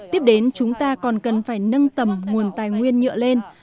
tiếp đến chúng ta còn cần phải nâng tầm nguồn tài nguyên nhựa lên